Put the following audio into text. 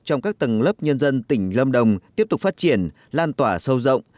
trong các tầng lớp nhân dân tỉnh lâm đồng tiếp tục phát triển lan tỏa sâu rộng